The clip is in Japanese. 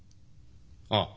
ああ。